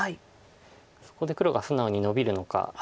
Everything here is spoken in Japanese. そこで黒が素直にノビるのか。